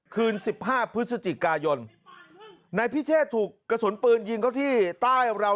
คืน๑๕พฤศจิกายนนายพิเชษถูกกระสุนปืนยิงเขาที่ใต้ราว